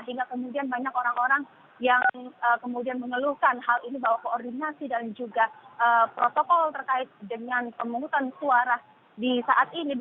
sehingga kemudian banyak orang orang yang kemudian mengeluhkan hal ini bahwa koordinasi dan juga protokol terkait dengan pemungutan suara di saat ini